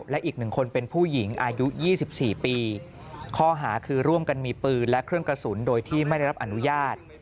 และอีก๑คนเป็นผู้หญิงอายุ๒๔ปีข้อหาคือร่วมกันมีปืนและเครื่องกระสุนโดยที่ไม่ได้รับอนุญาต